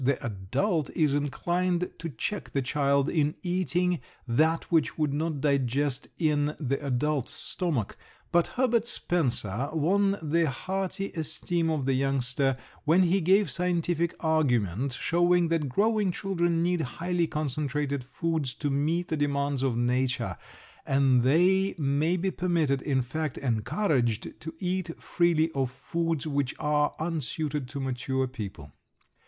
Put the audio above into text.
The adult is inclined to check the child in eating that which would not digest in the adult's stomach. But Herbert Spencer won the hearty esteem of the youngster when he gave scientific argument showing that growing children need highly concentrated foods to meet the demands of nature, and they may be permitted, in fact encouraged, to eat freely of foods which are unsuited to mature people.